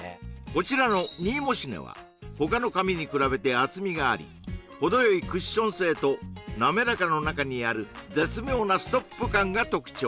こちらのＭｎｅｍｏｓｙｎｅは他の紙に比べて厚みがあり程よいクッション性となめらかの中にある絶妙なＳＴＯＰ感が特徴